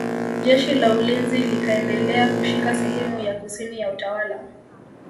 Jeshi la ulinzi likaendelea kushika sehemu ya kusini ya utawala